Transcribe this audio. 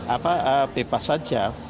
apa bebas saja